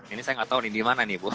ini saya tidak tahu ini dimana nih bu